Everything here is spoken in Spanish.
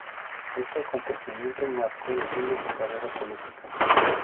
Este acontecimiento marcó el fin de su carrera política.